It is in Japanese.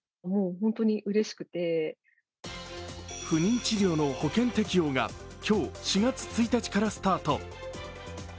不妊治療の保険適用が今日、４月１日からスタート。